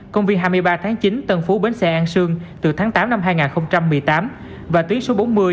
công viên hai mươi ba tháng chín tân phú bến xe an sương từ tháng tám năm hai nghìn một mươi tám và tuyến số bốn mươi